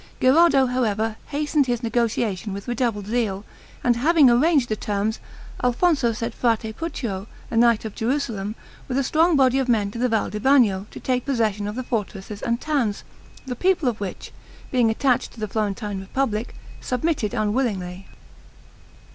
Gherardo, however, hastened his negotiation with redoubled zeal, and having arranged the terms, Alfonso sent Frate Puccio, a knight of Jerusalem, with a strong body of men to the Val di Bagno, to take possession of the fortresses and towns, the people of which, being attached to the Florentine republic, submitted unwillingly.